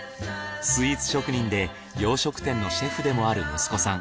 スイーツ職人で洋食店のシェフでもある息子さん。